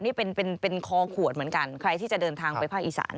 นี่เป็นคอขวดเหมือนกันใครที่จะเดินทางไปภาคอีสาน